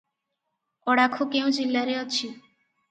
ଅଡାଖୁ କେଉଁ ଜିଲ୍ଲାରେ ଅଛି?